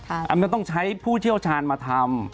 อันนั้นต้องใช้ผู้เชี่ยวชาญมาทำ